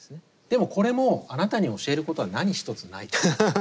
でもこれも「あなたに教えることは何一つない」。